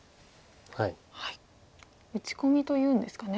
打ち込みというんですかね